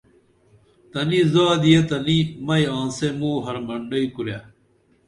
تنی زادیہ تہ نی مئی آنسے موں حرمنڈئی کُرے